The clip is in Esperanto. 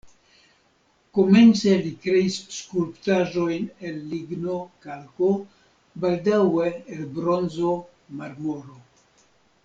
Komence li kreis skulptaĵojn el ligno, kalko, baldaŭe el bronzo, marmoro.